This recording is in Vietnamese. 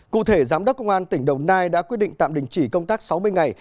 cụ thể giám đốc công an tỉnh đồng nai đã quyết định tạm đình chỉ công tác sáu mươi ngày